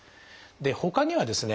ほかにはですね